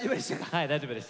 はい大丈夫です。